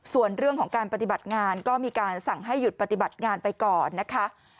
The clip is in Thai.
ส่วนเรื่องของการปฏิบัติงานก็มีการสั่งให้หยุดปฏิบัติงานไปก่อนนะคะ